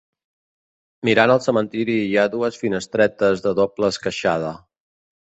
Mirant al cementeri hi ha dues finestretes de doble esqueixada.